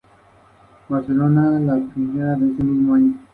Otro futbolista de la zona fue Jorge Armando "Lulú" Sanabria.